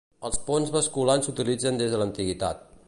Els ponts basculants s’utilitzen des de l’antiguitat.